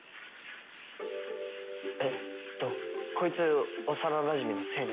えっとこいつ幼なじみの清名